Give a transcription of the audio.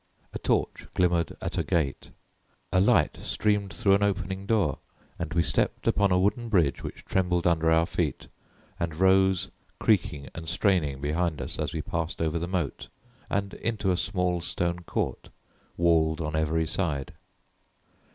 A torch glimmered at a gate, a light streamed through an opening door, and we stepped upon a wooden bridge which trembled under our feet and rose creaking and straining behind us as we passed over the moat and into a small stone court, walled on every side.